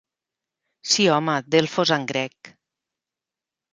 Sí home, Delfos en grec.